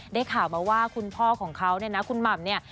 ได้ข่าวมาว่าคุณพ่อของเขาเนี่ยนะคุณหม่ำเนี่ย